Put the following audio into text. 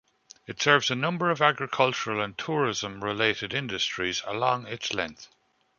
It serves a number of agricultural and tourism-related industries along its length.